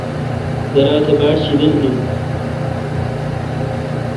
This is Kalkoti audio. درا تہ باڑ شیدل این۔